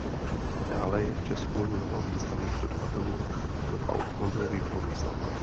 Dále je v Česku mnoho významných dodavatelů pro automobilový průmysl.